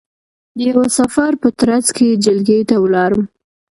د یوه سفر په ترځ کې جلگې ته ولاړم،